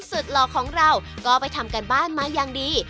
หล่อของเราก็ไปทำการบ้านมาอย่างดี